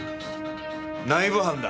内部犯だ。